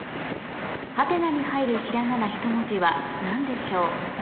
ハテナに入るひらがなひと文字は何でしょう？